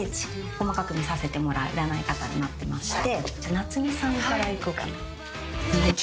細かく見させてもらう占い方になってまして。